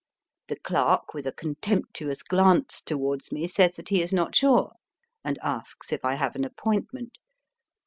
The clerk, with a contemptuous glance towards me, says that he is not sure, and asks if I have an appointment.